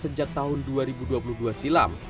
sejak tahun dua ribu dua puluh dua silam